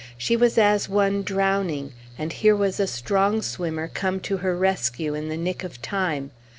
She was as one drowning, and here was a strong swimmer come to her rescue in the nick of time.